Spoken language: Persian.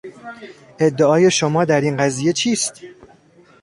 ادعای شما در این قضیه چیست؟